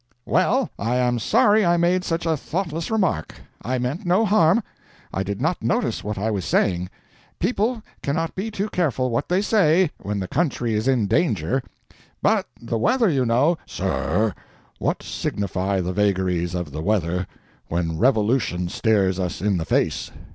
"Well—I am sorry I made such a thoughtless remark. I meant no harm—I did not notice what I was saying. People cannot be too careful what they say, when the country is in danger. But the weather you know—" "Sir, what signify the vagaries of the weather, when revolution stares us in the face!